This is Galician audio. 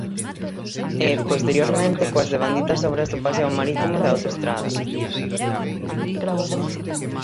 E, posteriormente, coas devanditas obras do paseo marítimo e da autoestrada.